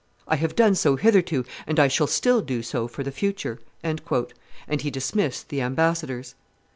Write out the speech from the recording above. I have done so hitherto, and I shall still do so for the future;" and he dismissed the ambassadors.